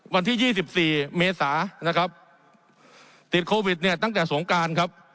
วันที่๒๔เมษานะครับติดโควิดเนี่ยตั้งแต่สงการครับ